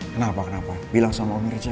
kenapa kenapa bilang sama om merchan